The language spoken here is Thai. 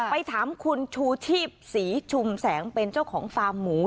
ไปถามคุณชูชีพศรีชุมแสงเป็นเจ้าของฟาร์มหมู